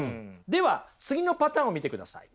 では次のパターンを見てください。